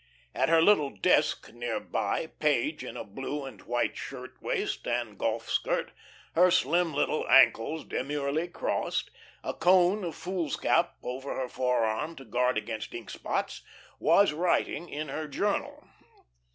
At her little desk near by, Page, in a blue and white shirt waist and golf skirt, her slim little ankles demurely crossed, a cone of foolscap over her forearm to guard against ink spots, was writing in her journal.